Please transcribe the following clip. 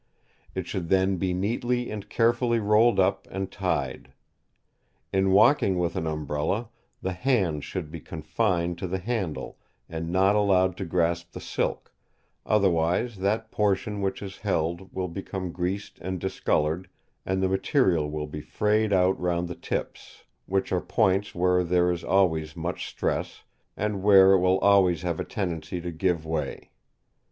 It should then be neatly and carefully rolled up and tied. In walking with an Umbrella, the hands should be confined to the handle, and not allowed to grasp the silk; otherwise that portion which is held will become greased and discoloured, and the material will be frayed out round the tips, which are points where there is always much stress, and where if will always have a tendency to give way.